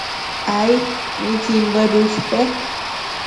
Ai. ¿mitsimbuebi ushpe?